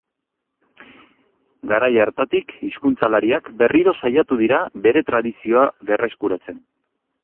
Garai hartatik hizkuntzalariak berriro saiatu dira bere tradizioa berreskuratzen.